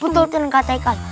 betul kata ikan